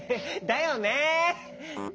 だよね。